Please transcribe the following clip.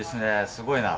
すごいな。